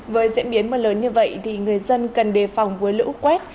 với diễn biến mưa lớn như vậy thì người dân cần đề phòng với lũ quét